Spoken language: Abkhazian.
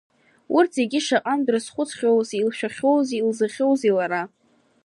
Урҭ зегьы шаҟантә дрызхәыцхьоузеи, илшәахьоузеи илзахьоузеи лара.